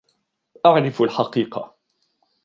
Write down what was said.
أعرف الحقيقة.